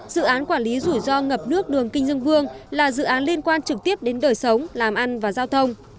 dự án quản lý rủi ro ngập nước đường kinh dương vương là dự án liên quan trực tiếp đến đời sống làm ăn và giao thông